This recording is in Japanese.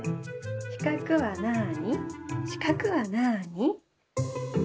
「しかくはなあにしかくはなあに」。